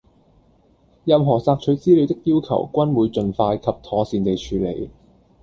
任何索取資料的要求均會盡快及妥善地處理